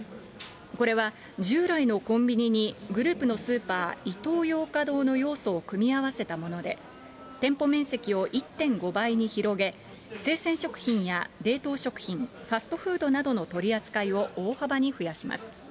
これは従来のコンビニにグループのスーパー、イトーヨーカドーのようすを組み合わせたもので、店舗面積を１．５倍に広げ、生鮮食品や冷凍食品、ファストフードなどの取り扱いを大幅に増やします。